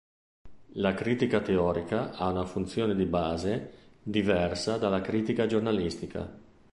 La critica teorica ha una funzione di base diversa dalla critica giornalistica.